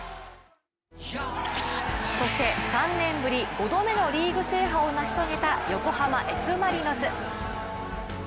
そして３年ぶり５度目のリーグ制覇を成し遂げた横浜Ｆ・マリノス。